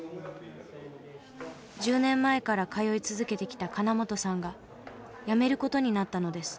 １０年前から通い続けてきた金本さんがやめる事になったのです。